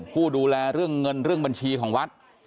ผู้ดูแลเรื่องเงินเรื่องบัญชีของวัด